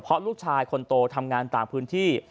เพราะลูกชายคนโตทำงานต่างพื้นที่